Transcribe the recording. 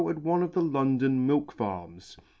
at one of the London milk farms f